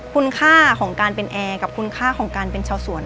คุณค่าของการเป็นแอร์กับคุณค่าของการเป็นชาวสวน